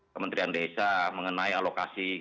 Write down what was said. kementerian desa mengenai alokasi